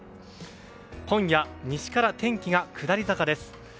今夜、西から天気が下り坂です。